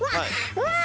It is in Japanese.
うわ！